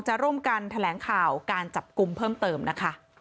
จะร่วมกันแถลงข่าวการจับกลุ่มเพิ่มเติมนะคะ